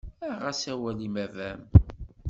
Aɣ-as awal i baba-m.